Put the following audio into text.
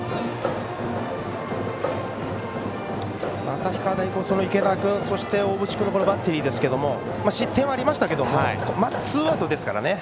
旭川大高は池田君と大渕君のバッテリーですけども失点はありましたがツーアウトですからね。